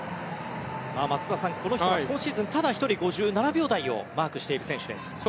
松田さん、この人は今シーズンただ１人５７秒台をマークしている選手です。